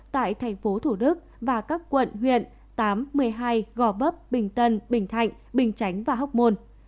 tại thành phố thủ đức và các quận huyện tám một mươi hai gò bấp bình tân bình thạnh bình chánh và hóc môn